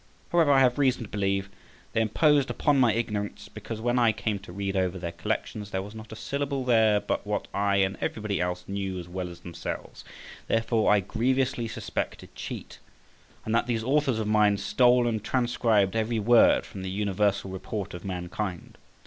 However, I have reason to believe they imposed upon my ignorance, because when I came to read over their collections, there was not a syllable there but what I and everybody else knew as well as themselves: therefore I grievously suspect a cheat; and that these Authors of mine stole and transcribed every word from the universal report of mankind.